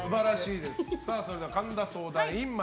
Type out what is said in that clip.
それでは、神田相談員。